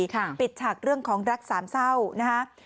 ปิดฉากเรื่องของรักสามเศร้านะฮะ